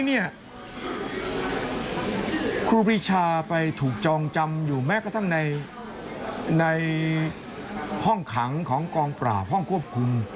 ครูปีชาไปถูกจองจำอยู่แม้กระทั่งในห้องขังของกองปราบห้องควบคุม